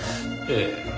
ええ。